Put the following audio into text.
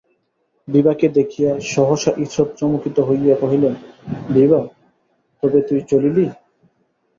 বিভাকে দেখিয়া সহসা ঈষৎ চমকিত হইয়া কহিলেন, বিভা, তবে তুই চলিলি?